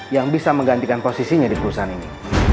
yang bisa menggantikan posisinya di perusahaan ini